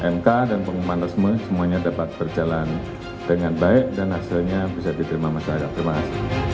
mk dan pengumuman resmi semuanya dapat berjalan dengan baik dan hasilnya bisa diterima masyarakat terima kasih